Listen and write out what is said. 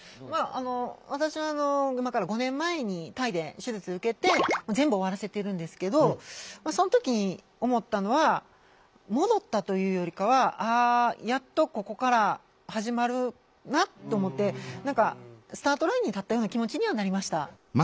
私は今から５年前にタイで手術受けて全部終わらせてるんですけどその時に思ったのは戻ったというよりかは「あやっとここから始まるな」と思って何かスタートラインに立ったような気持ちにはなりました。